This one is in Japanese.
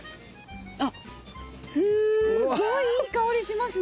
あっすごいいい香りしますね。